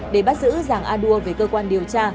để bắt giữ giàng a đua về cơ quan điều tra